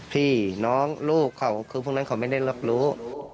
พี่น้องลูกเขาคือพวกนั้นเขาไม่ได้รับรู้